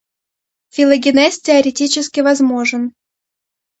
Филогенез теоретически возможен.